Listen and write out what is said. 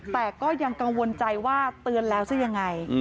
แต่ก็ยังกังวลใจว่าเตือนแล้วซะยังไง